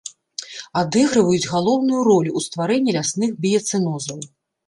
Адыгрываюць галоўную ролю ў стварэнні лясных біяцэнозаў.